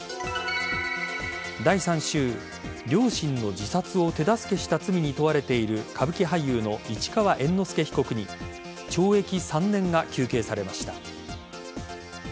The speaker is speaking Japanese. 第３週両親の自殺を手助けした罪に問われている歌舞伎俳優の市川猿之助被告に懲役３年が求刑されました。